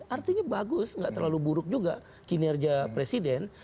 artinya bagus nggak terlalu buruk juga kinerja presiden